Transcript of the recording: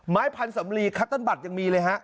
ไม้ผันสำลีตที่คัทตอนบัตรยังมีเลยฮะ